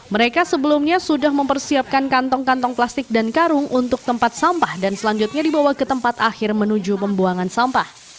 mereka sebelumnya sudah mempersiapkan kantong kantong plastik dan karung untuk tempat sampah dan selanjutnya dibawa ke tempat akhir menuju pembuangan sampah